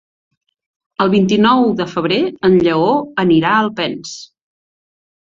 El vint-i-nou de febrer en Lleó irà a Alpens.